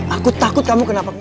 aku takut kamu kenapa